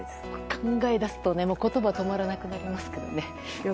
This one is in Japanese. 考え出すと言葉が止まらなくなりますね。